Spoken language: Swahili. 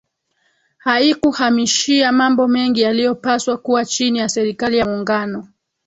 Haikuhamishia mambo mengi yaliyopaswa kuwa chini ya Serikali ya Muungano